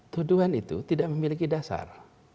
tuduhan itu tidak memiliki dasar